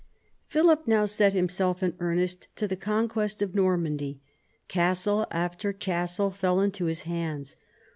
Philip now set himself in earnest to the conquest of Normandy. Castle after castle fell into his hands.